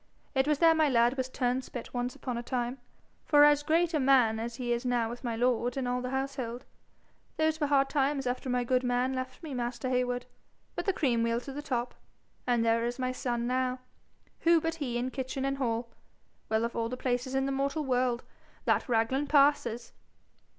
It was there my lad was turnspit once upon a time, for as great a man as he is now with my lord and all the household. Those were hard times after my good man left me, master Heywood. But the cream will to the top, and there is my son now who but he in kitchen and hall? Well, of all places in the mortal world, that Raglan passes!'